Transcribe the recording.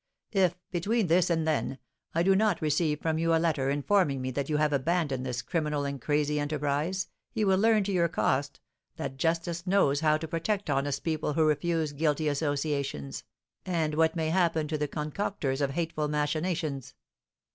If, between this and then, I do not receive from you a letter informing me that you have abandoned this criminal and crazy enterprise, you will learn to your cost that Justice knows how to protect honest people who refuse guilty associations, and what may happen to the concoctors of hateful machinations."